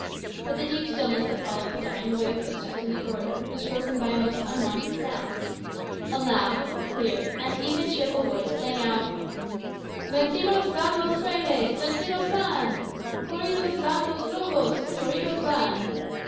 But the deep stillness that followed the dying away of footsteps in the corridor was broken by a most unwonted sound. A loud, clear, and even cheerful voice sang out, "Vençidos van los frailes; vençidos van! Corridas van los lobos; corridos van!"